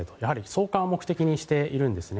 送還を目的にしているんですね。